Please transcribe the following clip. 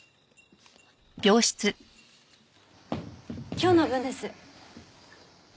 今日の分です。